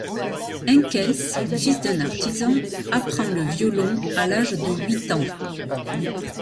Henkels, fils d'un artisan, apprend le violon à l'âge de huit ans.